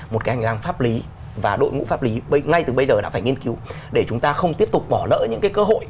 một cái hành lang pháp lý và đội ngũ pháp lý ngay từ bây giờ đã phải nghiên cứu để chúng ta không tiếp tục bỏ lỡ những cái cơ hội